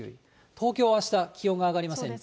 東京はあした、気温が上がりません。